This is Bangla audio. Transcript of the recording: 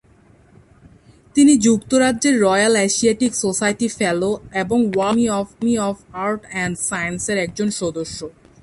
তিনি যুক্তরাজ্যের রয়েল এশিয়াটিক সোসাইটির ফেলো এবং World Academy of Art and সায়েন্সের একজন সদস্য।